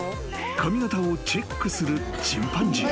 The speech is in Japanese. ［髪形をチェックするチンパンジー］